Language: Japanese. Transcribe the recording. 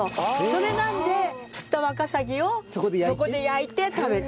それなんで釣ったワカサギをそこで焼いて食べて。